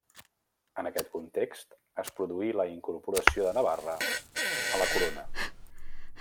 En aquest context es produí la incorporació de Navarra la corona.